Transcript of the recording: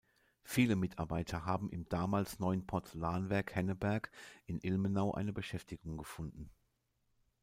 Viele Mitarbeiter haben im damals neuen Porzellanwerk Henneberg in Ilmenau eine Beschäftigung gefunden.